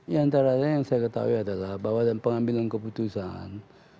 ya antara lain yang saya ketahui adalah bahwa dalam pengambilan keputusan